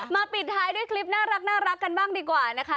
ปิดท้ายด้วยคลิปน่ารักกันบ้างดีกว่านะคะ